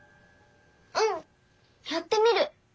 うんやってみる。